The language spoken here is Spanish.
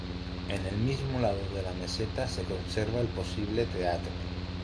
En el mismo lado de la meseta se conserva el posible teatro.